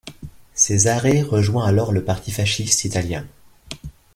Cesare rejoint alors le Parti fasciste italien.